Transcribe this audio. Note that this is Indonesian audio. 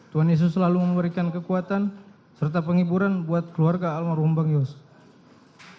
tuhan yesus selalu memberikan kekuatan serta penghiburan buat keluarga almarhum bang yosua